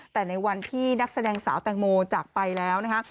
แต่ในวันที่นักแสดงสาวแตงโมจากไปแล้วนะคะ